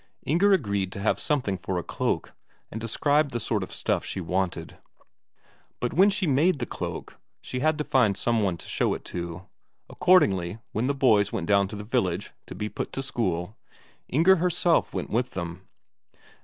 Inger agreed to have something for a cloak, and described the sort of stuff she wanted. But when she had made the cloak, she had to find some one to show it to; accordingly, when the boys went down to the village to be put to school, Inger herself went with them.